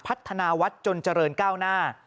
พัฒนาวัดจนเจริญก้าวหน้า